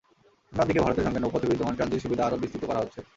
অন্যদিকে ভারতের সঙ্গে নৌপথে বিদ্যমান ট্রানজিট সুবিধা আরও বিস্তৃত করা হচ্ছে।